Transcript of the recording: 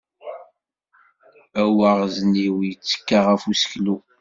Awaɣzniw yettekka ɣef useklu.